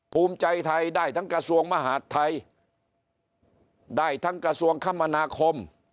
ภูมิใจไทยได้ทั้งกระทรวงมหาดไทยได้ทั้งกระทรวงคมนาคม